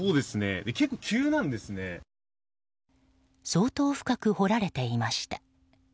相当深く掘られていました。